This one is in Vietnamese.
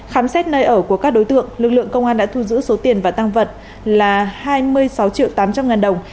khám xét nơi ở của các đối tượng lực lượng công an đã thu giữ số tiền và tăng vật là hai mươi sáu triệu tám trăm linh ngàn đồng